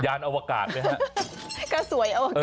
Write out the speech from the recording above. ยานอวกาศนะครับ